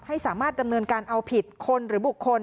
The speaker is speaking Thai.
ให้สามารถดำเนินการเอาผิดคนหรือบุคคล